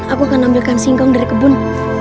aku akan ambilkan singkong dari kebun